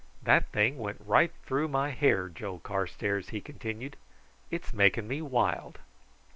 "That thing went right through my hair, Joe Carstairs," he continued. "It's making me wild."